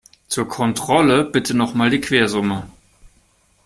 Zur Kontrolle bitte noch mal die Quersumme.